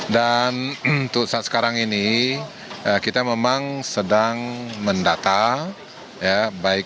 dan untuk saat sekarang ini kita memang sedang mendata ya